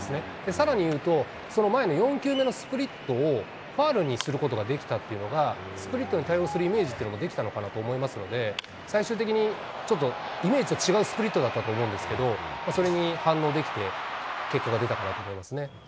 さらに言うと、その前の４球目のスプリットをファウルにすることができたというのが、スプリットに対応するイメージというのもできたのかなと思いますので、最終的にちょっとイメージと違うスプリットだったと思うんですけど、それに反応できて、結果が出たかなと思いますね。